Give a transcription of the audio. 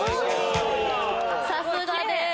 さすがです。